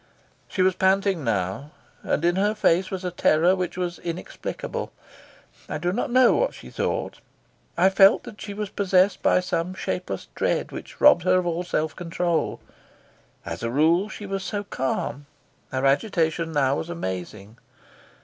She was panting now, and in her face was a terror which was inexplicable. I do not know what she thought. I felt that she was possessed by some shapeless dread which robbed her of all self control. As a rule she was so calm; her agitation now was amazing.